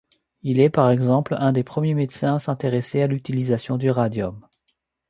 Il est, par exemple, un des premiers médecins à s'intéresser à l'utilisation du radium.